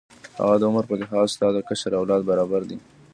هغه د عمر په لحاظ ستا د کشر اولاد برابر دی.